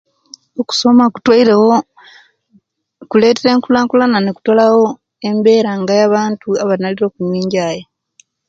Okusoma kutweirewo kuletere enkulakulana nekutolawo embera nga eyabantu abanalire okunyuwa enjaye